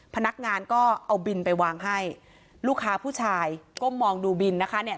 พนักงานก็เอาบินไปวางให้ลูกค้าผู้ชายก้มมองดูบินนะคะเนี่ย